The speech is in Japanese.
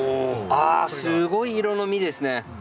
あすごい色の身ですね。